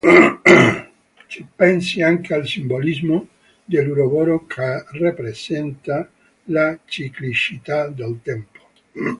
Si pensi anche al simbolismo dell'uroboro che rappresenta la ciclicità del tempo.